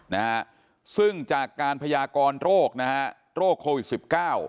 นะซึ่งจากการพยากรโรคนะคะโรคโควิด๑๙